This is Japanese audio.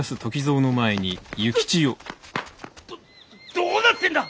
どうなってんだ！